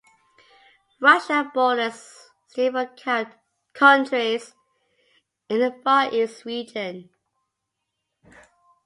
Russia borders several countries in the Far East region.